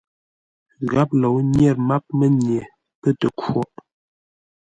Gháp lǒu nyêr máp mənye pə́ tə khwôʼ.